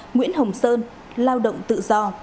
nguyễn hồng sơn lao động tự do